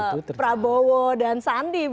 pak prabowo dan sandi